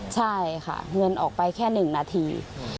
ใช่ค่ะเงินออกไปแค่๑นาที